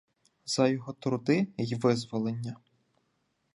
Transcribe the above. За його труди й визволення.